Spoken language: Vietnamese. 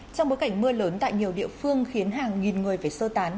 trong bối cảnh mưa lớn tại nhiều địa phương khiến hàng nghìn người phải sơ tán